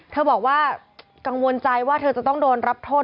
เธอบอกว่ากังวลใจว่าเธอจะต้องโดนรับโทษ